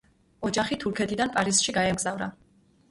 ოჯახი თურქეთიდან პარიზში გაემგზავრა.